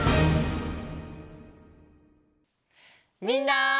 みんな！